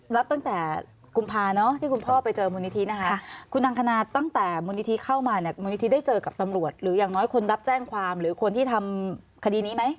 รับตั้งแต่กุมภาเนาะที่คุณพ่อไปเจอมูลนิธินะคะคุณอังคณาตั้งแต่มูลนิธิเข้ามาเนี่ยมูลนิธิได้เจอกับตำรวจหรืออย่างน้อยคนรับแจ้งความหรือคนที่ทำคดีนี้ไหม